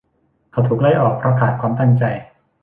เขาถูกไล่ออกเพราะขาดความตั้งใจ